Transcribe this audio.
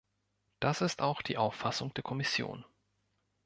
Das ist auch die Auffassung der Kommission.